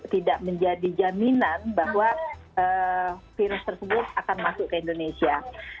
tidak menjadi jaminan bahwa virus tersebut akan masuk ke indonesia